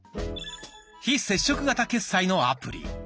「非接触型決済」のアプリ